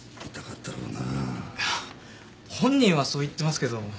いや本人はそう言ってますけど。